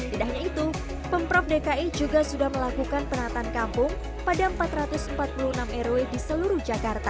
tidak hanya itu pemprov dki juga sudah melakukan penataan kampung pada empat ratus empat puluh enam rw di seluruh jakarta